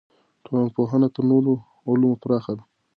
ټولنپوهنه تر نورو علومو پراخه ده.